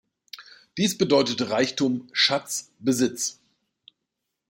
Dies bedeutete „Reichtum“, „Schatz“, „Besitz“.